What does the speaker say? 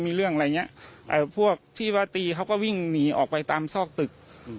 มีเรื่องอะไรอย่างเงี้ยพวกที่ว่าตีเขาก็วิ่งหนีออกไปตามซอกตึก